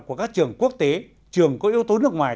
của các trường quốc tế trường có yếu tố nước ngoài